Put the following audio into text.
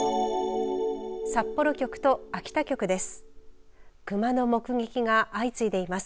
札幌局と秋田局です。